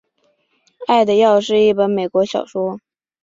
爱的药是一本美国小说。